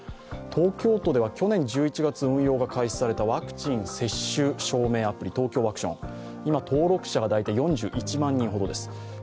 東京都では去年１１月運用が開始されたワクチン接種証明アプリ、ＴＯＫＹＯワクション、今、登録者が４１万人ほどです。